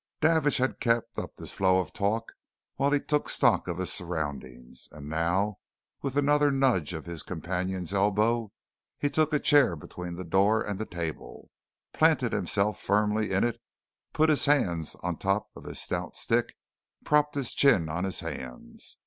Davidge had kept up this flow of talk while he took stock of his surroundings, and now, with another nudge of his companion's elbow, he took a chair between the door and the table, planted himself firmly in it, put his hands on top of his stout stick, and propped his chin on his hands.